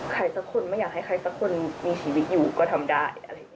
ใครสักคนไม่อยากให้ใครสักคนมีชีวิตอยู่ก็ทำได้